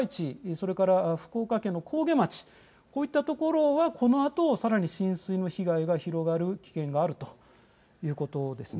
それから福岡県の上毛町といったところはこのあとさらに浸水の被害が広がることもあるということです。